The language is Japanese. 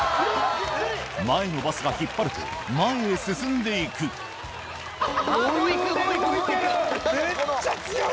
・前のバスが引っ張ると前へ進んで行く・めっちゃ強い！